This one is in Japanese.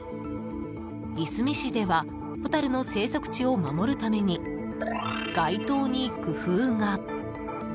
いすみ市ではホタルの生息地を守るために街灯に工夫が。